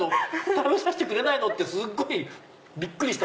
食べさせてくれないの⁉ってすっごいびっくりした。